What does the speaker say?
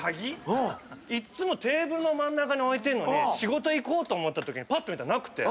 いっつもテーブルの真ん中に置いてるのに仕事行こうと思ったときにぱっと見たら。